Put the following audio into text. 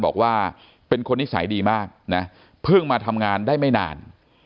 บอกว่าเป็นคนนิสัยดีมากนะเพิ่งมาทำงานได้ไม่นาน